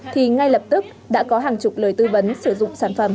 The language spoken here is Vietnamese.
thì ngay lập tức đã có hàng chục lời tư vấn sử dụng sản phẩm